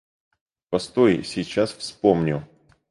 Постой, сейчас вспомню!